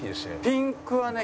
ピンクはね